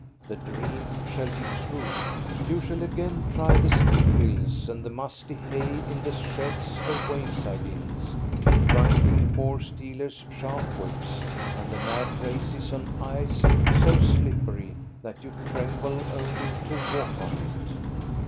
The dream shall be true. You shall again try the steep hills, and the musty hay in the sheds of wayside inns, and drunken horse dealers' sharp whips, and the mad races on ice so slip pery that you tremble only to walk on it.